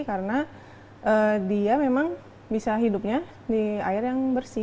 karena dia memang bisa hidupnya di air yang bersih